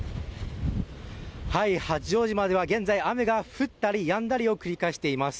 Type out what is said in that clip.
八丈島では現在、雨が降ったりやんだりを繰り返しています。